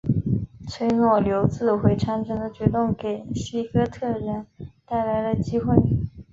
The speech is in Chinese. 霍诺留自毁长城的举动给西哥特人带来了机会。